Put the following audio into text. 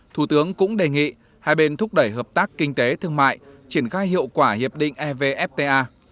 thủ tướng cũng đề nghị hai bên thúc đẩy hợp tác kinh tế thương mại triển khai hiệu quả hiệp định evfta